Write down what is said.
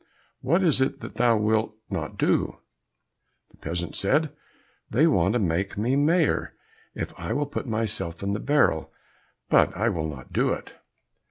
What is it that thou wilt not do?" The peasant said, "They want to make me Mayor, if I will but put myself in the barrel, but I will not do it."